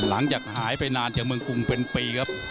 หลังจากหายไปนานจากเมืองกรุงเป็นปีครับ